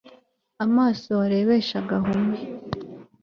amaso warebeshaga ahume